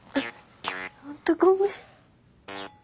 本当ごめん。